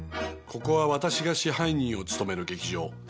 ここは私が支配人を務める劇場。